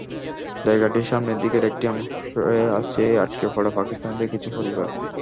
জায়গাটির সামনের দিকের একটি অংশে আছে আটকে পড়া পাকিস্তানিদের কিছু পরিবার।